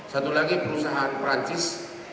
satu lagi perusahaan perancis